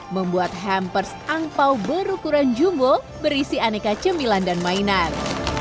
membuat hampers angpau berukuran jumbo berisi aneka cemilan dan mainan